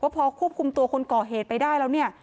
พอควบคุมตัวคนก่อเหตุไปได้แล้วเนี่ย